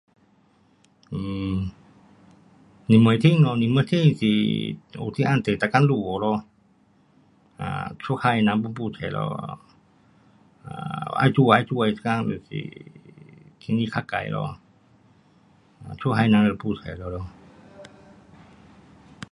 um 年尾天 um，年尾天，是有时暗地每天落雨咯，啊，出海的人就 pun 没出咯，um 要出海出海时间就是天气较坏咯，出海人就没出了咯。